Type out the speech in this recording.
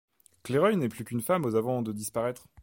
Cléreuil n'est plus qu'une ferme au avant de disparaître.